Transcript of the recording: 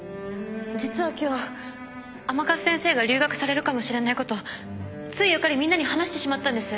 実は今日甘春先生が留学されるかもしれないことついうっかりみんなに話してしまったんです。